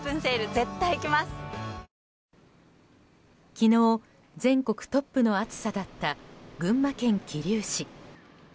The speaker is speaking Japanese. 昨日、全国トップの暑さだった群馬県桐生市。